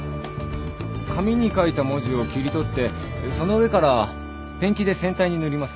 紙に書いた文字を切り取ってその上からペンキで船体に塗ります。